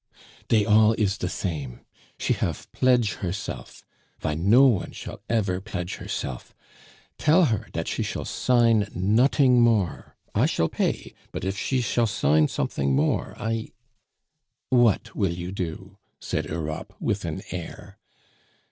"Dey all is de same! She hafe pledge' herself. Vy, no one shall ever pledge herself. Tell her dat she shall sign noting more. I shall pay; but if she shall sign something more I " "What will you do?" said Europe with an air.